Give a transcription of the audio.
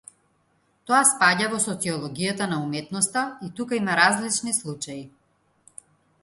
Тоа спаѓа во социологијата на уметноста и тука има различни случаи.